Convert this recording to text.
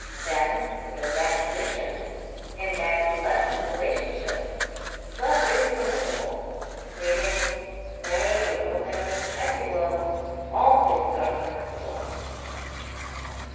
Then within that condition, in that elect relationship, love is permissible, mating, marriage or no marriage, as you will all things are permissible...."